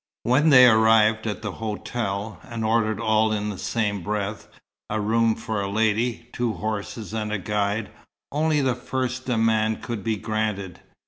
When they arrived at the hotel, and ordered all in the same breath, a room for a lady, two horses and a guide, only the first demand could be granted.